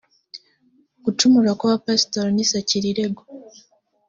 gucumura kw’abapasitori ni sakirirego